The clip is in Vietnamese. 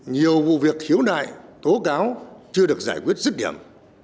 nhiều vụ việc hiếu nại tố cáo chưa được giải quyết dứt điểm